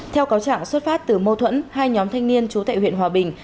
theo cáo chẳng xuất phát từ mâu thuẫn hai nhóm thanh niên chú tệ huyện hòa bình